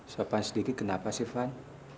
sopan sedikit kenapa sih van